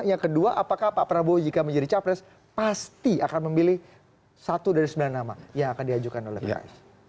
yang kedua apakah pak prabowo jika menjadi capres pasti akan memilih satu dari sembilan nama yang akan diajukan oleh pks